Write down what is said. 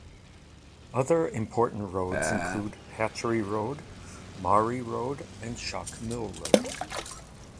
Other important roads include Hatchery Road, Maury Road, and Schock Mill Road.